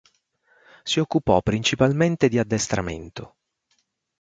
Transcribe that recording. Si occupò principalmente di addestramento.